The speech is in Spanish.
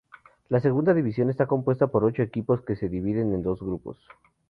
La segunda división está compuesta por ocho equipos que se dividen en dos grupos.